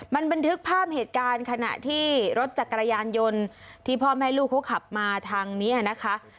มันบันทึกภาพเหตุการณ์ขณะที่รถจักรยานยนต์ที่พ่อแม่ลูกเขาขับมาทางนี้นะคะ